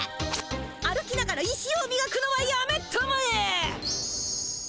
歩きながら石をみがくのはやめたまえ！